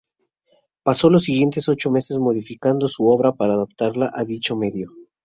Pasó los siguientes ocho meses modificando su obra para adaptarla a dicho medio.